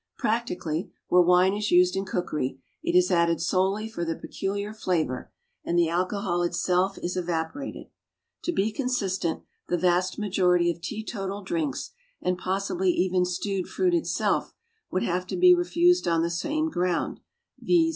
Practically, where wine is used in cookery, it is added solely for the peculiar flavour, and the alcohol itself is evaporated. To be consistent, the vast majority of teetotal drinks, and possibly even stewed fruit itself, would have to be refused on the same ground, viz.